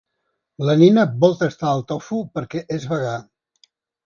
La Nina vol tastar el tofu perquè és vegà.